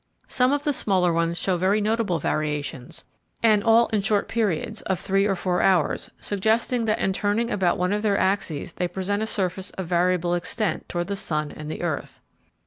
Some of the smaller ones show very notable variations, and all in short periods, of three or four hours, suggesting that in turning about one of their axes they present a surface of variable extent toward the sun and the earth.